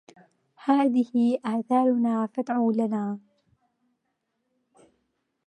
هذه آثارنا فادع لنا